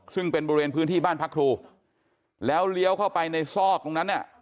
ซึ่งเป็นบริเวณพื้นที่บ้านพักครูแล้วเลี้ยวเข้าไปในซอกตรงนั้นเนี่ย